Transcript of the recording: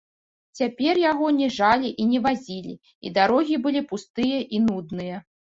Цяпер яго не жалі і не вазілі, і дарогі былі пустыя і нудныя.